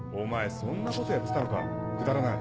そんなことやってたのかくだらない！